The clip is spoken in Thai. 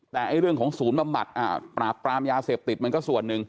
แต่เรื่องของศูนย์บำบัดปราบปรามยาเสพติดมันก็ส่วนหนึ่ง